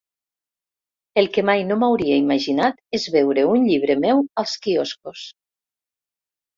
El que mai no m'hauria imaginat és veure un llibre meu als quioscos.